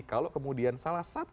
kalau kemudian salah satu